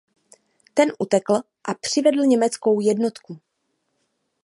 Ten utekl a přivedl německou jednotku.